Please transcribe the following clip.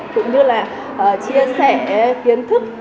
cũng như là chia sẻ kiến thức